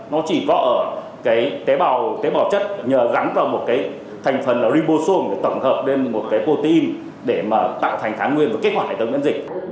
nó chỉ có ở tế bào chất nhờ gắn vào một thành phần ribosome để tổng hợp lên một protein để tạo thành tháng nguyên và kết hoạt hệ thống viễn dịch